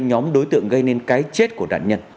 nhóm đối tượng gây nên cái chết của nạn nhân